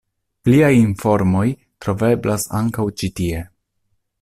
Pliaj informoj troveblas ankaŭ ĉi tie.